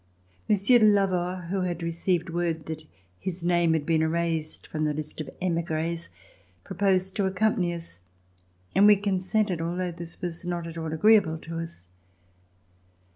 Monsieur de Lavaur, who had received word that his name had been erased from the list of emigres, proposed to accompany us, and we consented, al though this was not at all agreeable to us.